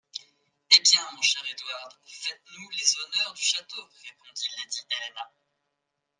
Eh bien, mon cher Edward, faites-nous les honneurs du château, répondit lady Helena.